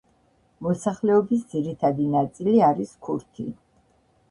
მოსახლეობის ძირითადი ნაწილი არის ქურთი.